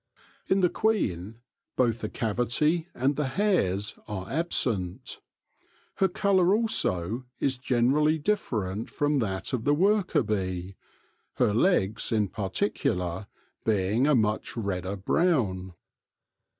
In the queen both the cavity and the hairs are absent. Her colour also is generally different from that of the worker bee, her legs, in particular, being a much redder brown.